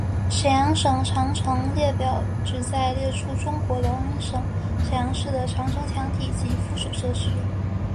沈阳市长城列表旨在列出中国辽宁省沈阳市的长城墙体及附属设施。